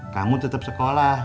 kamu tetep sekolah